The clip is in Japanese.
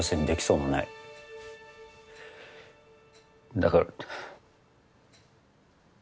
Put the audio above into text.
だから。